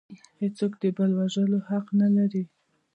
هیڅوک د بل د وژلو حق نلري